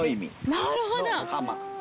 なるほど！